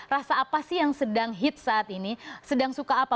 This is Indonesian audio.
rasa apa sih yang sedang hit saat ini sedang suka apa